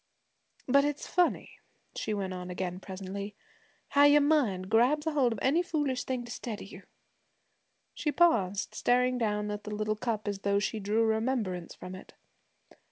'But it's funny,' she went on again presently, 'how your mind grabs ahold of any foolish thing to steady you.' She paused, staring down at the little cup as though she drew remembrance from it.